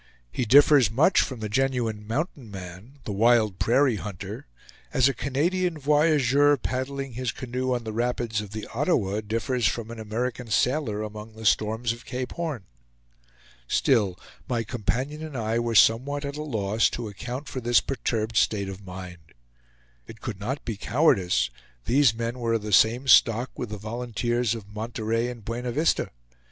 He differs much from the genuine "mountain man," the wild prairie hunter, as a Canadian voyageur, paddling his canoe on the rapids of the Ottawa, differs from an American sailor among the storms of Cape Horn. Still my companion and I were somewhat at a loss to account for this perturbed state of mind. It could not be cowardice; these men were of the same stock with the volunteers of Monterey and Buena Vista.